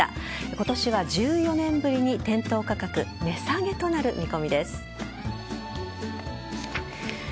今年は１４年ぶりに店頭価格が値下げとなるあっ！